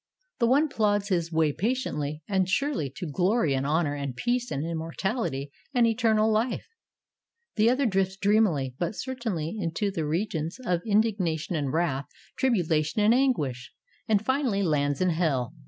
The one plods his way patiently and surely to ''glory and honor, and peace, and immortality, and eternal life;" the other drifts dreamily, but certainly into the re gions of "indignation and wrath, tribulation and anguish," and finally lands in Hell.